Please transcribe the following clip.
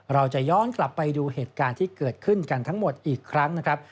เราจะย้อนกลับไปดูเหตุการณ์ที่เกิดขึ้นกันทั้งหมดอีกครั้งนะครับ